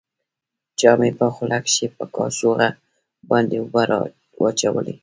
چا مې په خوله کښې په کاشوغه باندې اوبه راواچولې.